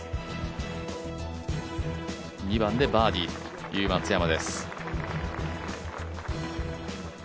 ２番でバーディーという松山です。